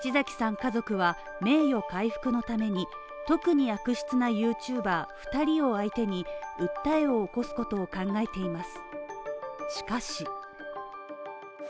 家族は名誉回復のために特に悪質なＹｏｕＴｕｂｅ２人に対し、訴えを起こすことを考えています。